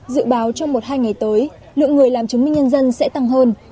dự báo trong một hai ngày tới lượng người làm chứng minh nhân dân sẽ tăng hơn